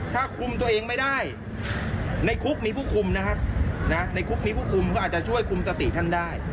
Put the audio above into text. ถ้าคุมตัวเองไม่ได้ในคุกมีผู้คุมเค้าอาจทำช่วยคุมสติท่านได้